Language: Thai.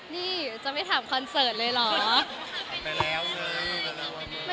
นี่จะไม่ถามคอนเซิร์ตเลยเหรอ